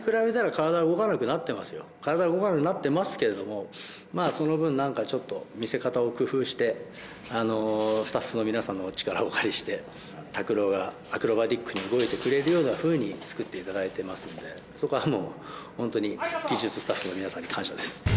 体動かなくなってますけれどもまぁその分何かちょっと見せ方を工夫してスタッフの皆さんのお力をお借りして拓郎がアクロバティックに動いてくれるふうにつくっていただいてますんでそこはもうホントに技術スタッフの皆さんに感謝です。